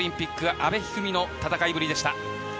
阿部一二三の戦いぶりでした。